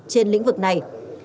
trên lĩnh vực này